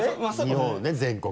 日本をね全国。